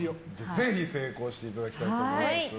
ぜひ成功していただきたいと思います。